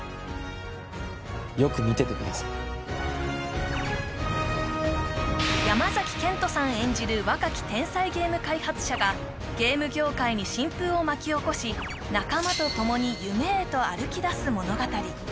よく見ててください山賢人さん演じる若き天才ゲーム開発者がゲーム業界に新風を巻き起こし仲間とともに夢へと歩きだす物語